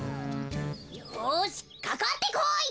よしかかってこい！